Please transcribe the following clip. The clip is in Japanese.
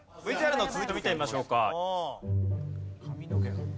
ＶＴＲの続きを見てみましょうか。